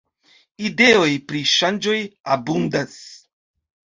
Ideoj pri ŝanĝoj abundas.